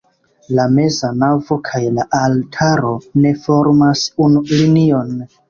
La meza navo kaj la altaro ne formas unu linion.